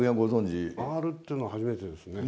回るっていうのは初めてですね。